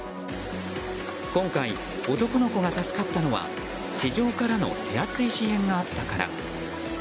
今回、男の子が助かったのは地上からの手厚い支援があったから。